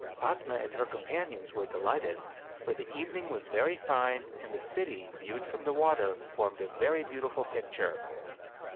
Fatuie and her companions were delighted ; for the evening was very fine, and the city viewed from the water formed a very beautiful picture.